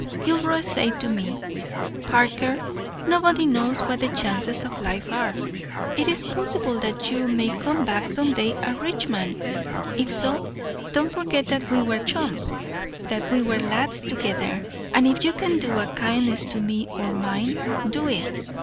Gilroy said to me, 'Parker, nobody knows what the chances of life are. It is possible that you may come back some day a rich man; if so, don't forget that we were chums, that we were lads together, and if you can do a kindness to me or mine, do it.